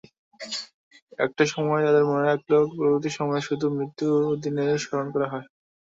একটা সময় তাঁদের মনে রাখলেও পরবর্তী সময়ে শুধু মৃত্যুদিনেই স্মরণ করা হয়।